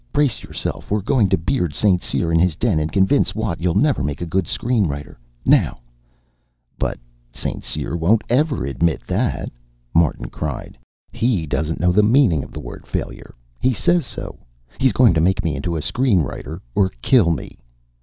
Brace yourself. We're going to beard St. Cyr in his den and convince Watt you'll never make a good screen writer. Now " "But St. Cyr won't ever admit that," Martin cried. "He doesn't know the meaning of the word failure. He says so. He's going to make me into a screen writer or kill me."